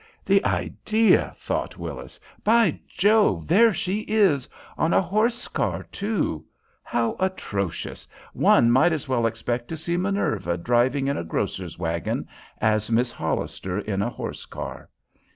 "The idea!" thought Willis. "By Jove! there she is on a horse car, too! How atrocious! One might as well expect to see Minerva driving in a grocer's wagon as Miss Hollister in a horse car.